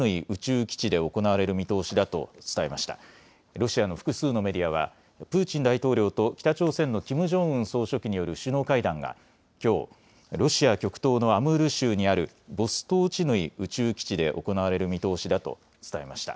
ロシアの複数のメディアはプーチン大統領と北朝鮮のキム・ジョンウン総書記による首脳会談がきょうロシア極東のアムール州にあるボストーチヌイ宇宙基地で行われる見通しだと伝えました。